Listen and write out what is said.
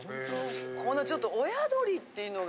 このちょっと親鶏っていうのが。